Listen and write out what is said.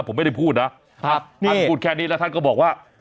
ผมไม่ได้พูดนะท่านพูดแค่นี้แล้วท่านก็บอกว่า